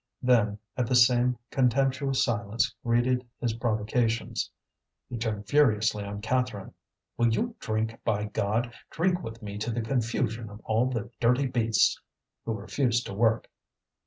Then, as the same contemptuous silence greeted his provocations, he turned furiously on Catherine. "Will you drink, by God? Drink with me to the confusion of all the dirty beasts who refuse to work."